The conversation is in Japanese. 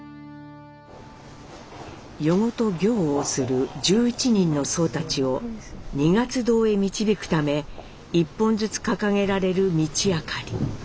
夜ごと行をする１１人の僧たちを二月堂へ導くため１本ずつ掲げられる道あかり。